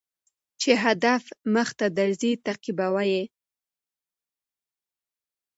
چي هدف مخته درځي تعقيبوه يې